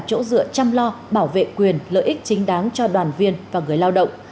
chỗ dựa chăm lo bảo vệ quyền lợi ích chính đáng cho đoàn viên và người lao động